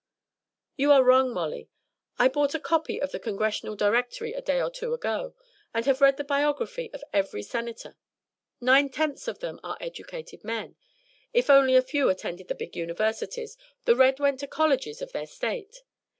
'" "You are all wrong, Molly. I bought a copy of the Congressional Directory a day or two ago, and have read the biography of every Senator. Nine tenths of them are educated men; if only a few attended the big Universities, the rest went to the colleges of their State.